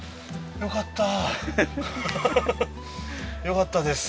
よかったです